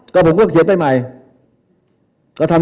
ก็ผมก็เขียนไปใหม่